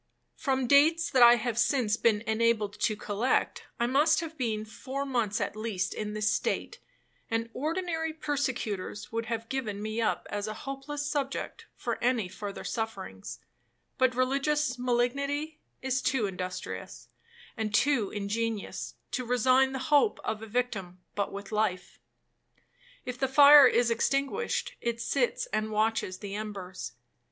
'From dates that I have since been enabled to collect, I must have been four months at least in this state; and ordinary persecutors would have given me up as a hopeless subject for any further sufferings; but religious malignity is too industrious, and too ingenious, to resign the hope of a victim but with life. If the fire is extinguished, it sits and watches the embers.